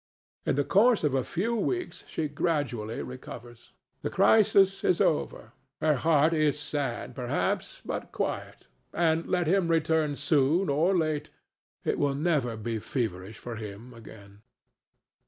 In the course of a few weeks she gradually recovers. The crisis is over; her heart is sad, perhaps, but quiet, and, let him return soon or late, it will never be feverish for him again.